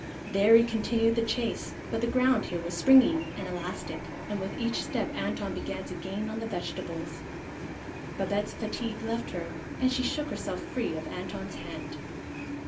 There he continued the chase, but the ground here was springy and elastic, and with each step Antone began to gain on the vegetables. Babette's fatigue left her, and she shook herself free of Antone's hand.